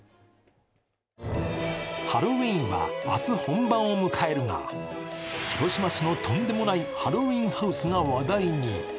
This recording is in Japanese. ハロウィーンは明日本番を迎えるが、広島市のとんでもないハロウィーンハウスが話題に。